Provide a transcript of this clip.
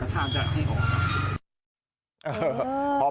กระช่าจะให้ออก